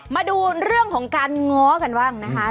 มาดูเรื่องของการง้อกันบ้างนะคะ